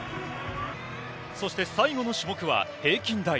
そして最後の種目は平均台。